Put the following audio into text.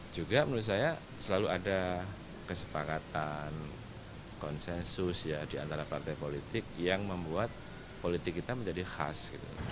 juga menurut saya selalu ada kesepakatan konsensus ya di antara partai politik yang membuat politik kita menjadi khas